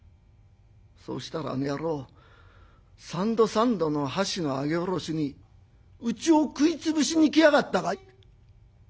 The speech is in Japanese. そうしたらあの野郎三度三度の箸の上げ下ろしに『うちを食い潰しに来やがったか』。